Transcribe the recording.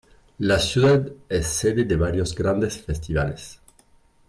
La ciudad es sede de varios grandes festivales.